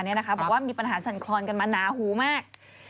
บอกว่ามีปัญหาสั่นคลอนกันมาหนาหูมาก